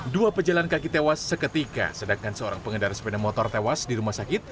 dua pejalan kaki tewas seketika sedangkan seorang pengendara sepeda motor tewas di rumah sakit